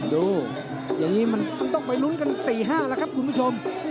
ดูอย่างนี้มันต้องไปลุ้นกัน๔๕แล้วครับคุณผู้ชม